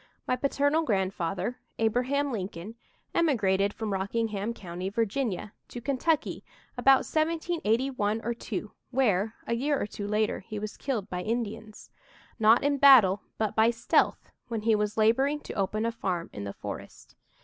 My paternal grandfather, Abraham Lincoln, emigrated from Rockingham County, Virginia, to Kentucky about 1781 or 2, where, a year or two later, he was killed by Indians not in battle, but by stealth, when he was laboring to open a farm in the forest.